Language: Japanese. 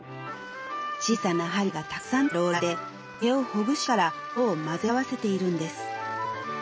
小さな針がたくさんついたローラーで毛をほぐしながら色を混ぜ合わせているんです。